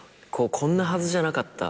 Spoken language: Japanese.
こんなはずじゃなかった。